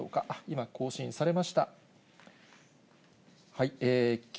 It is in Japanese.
あっ、今、更新されました。